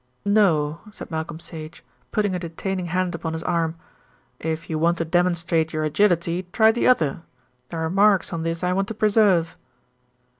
"No," said Malcolm Sage, putting a detaining hand upon his arm. "If you want to demonstrate your agility, try the other. There are marks on this I want to preserve."